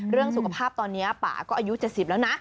เรื่องสุขภาพตอนนี้ป่าก็อายุ๗๐แล้วนะ